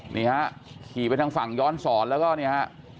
นี่ฮะขี่ไปทางฝั่งย้อนสอนแล้วก็เนี่ยฮะ